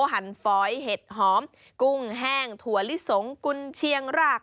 หันฟอยเห็ดหอมกุ้งแห้งถั่วลิสงกุญเชียงราก